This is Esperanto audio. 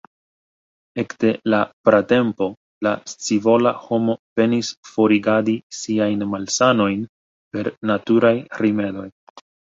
Ekde la pratempo la scivola homo penis forigadi siajn malsanojn per naturaj rimedoj.